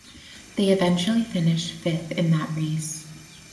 They eventually finished fifth in that race.